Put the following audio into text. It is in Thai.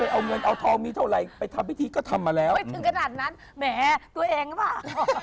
เอาเงินเอาทองมีเท่าไหร่ไปทำพิธีก็ทำมาแล้วไปถึงขนาดนั้นแหมตัวเองหรือเปล่า